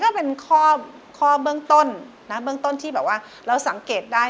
อันนี้ก็คือข้อเบื้องต้นที่เราสังเกตได้